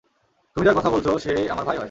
তুমি যার কথা বলছো সে আমার ভাই হয়।